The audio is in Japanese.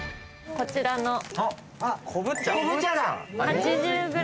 こちらの。